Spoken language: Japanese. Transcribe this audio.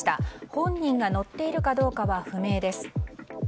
本人が乗っているかどうかは不明です。